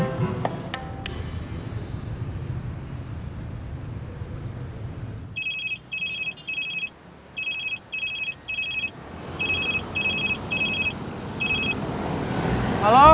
gak ada yang nolong